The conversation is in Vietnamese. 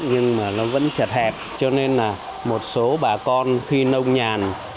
nhưng mà nó vẫn chật hẹp cho nên là một số bà con khi nông nhàn